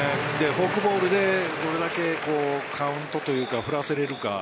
フォークボールでどれだけカウントというか振らせられるか。